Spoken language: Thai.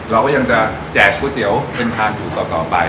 เราก็ยังจะแจกก๋วยเตี๋ยวเป็นชาถูต่อไป